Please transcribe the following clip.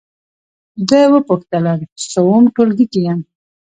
ده وپوښتلم: څووم ټولګي کې یې؟